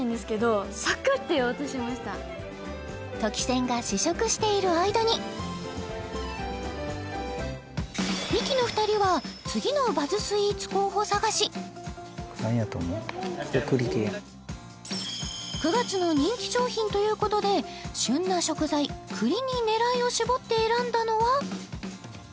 とき宣が試食している間にミキの二人は次のバズスイーツ候補探し９月の人気商品ということで旬な食材栗に狙いを絞って選んだのは？